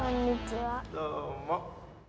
どうも。